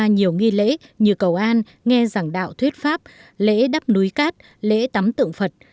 nhiều nghi lễ như cầu an nghe giảng đạo thuyết pháp lễ đắp núi cát lễ tắm tượng phật